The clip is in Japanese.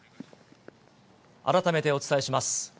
改めてお伝えします。